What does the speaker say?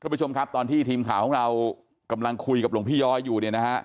คุณผู้ชมครับตอนที่ทีมข่าวของเรากำลังคุยกับหลวงพี่ย้อยอยู่